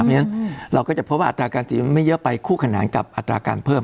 เพราะฉะนั้นเราก็จะพบว่าอัตราการฉีดไม่เยอะไปคู่ขนานกับอัตราการเพิ่ม